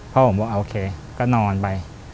พ่อผมบอกโอเคก็นอนไป